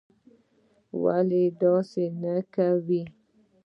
ولي داسې نه کوې?